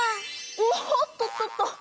おっとっとっと。